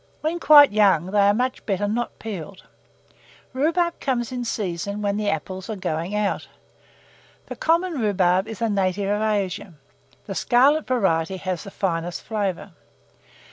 When quite young, they are much better not peeled. Rhubarb comes in season when apples are going out. The common rhubarb is a native of Asia; the scarlet variety has the finest flavour.